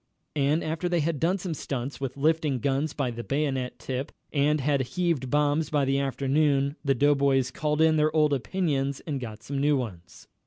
And after they had done some stunts with lifting guns by the bayonet tip, and had heaved bombs by the afternoon, the doughboys called in their old opinions and got some new ones.